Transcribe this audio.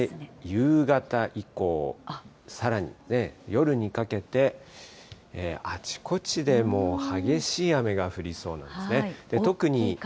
夕方以降、さらに夜にかけて、あちこちでもう、激しい雨が降りそうなんですね。